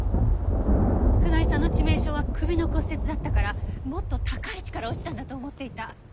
船井さんの致命傷は首の骨折だったからもっと高い位置から落ちたんだと思っていた。